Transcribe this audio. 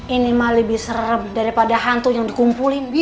ini mah lebih serem daripada hantu yang dikumpulin